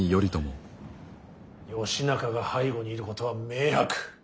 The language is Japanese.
義仲が背後にいることは明白。